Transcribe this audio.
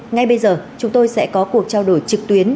ngay bây giờ chúng tôi sẽ có cuộc trao đổi trực tuyến